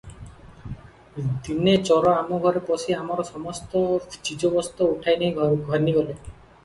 ଦିନେ ଚୋର ଆମ ଘରେ ପଶି ଆମର ସମସ୍ତ ଚିଜବସ୍ତ ଉଠାଇ ଘେନିଗଲେ ।